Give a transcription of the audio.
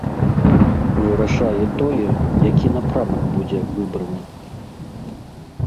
Вырашае тое, які напрамак будзе выбраны.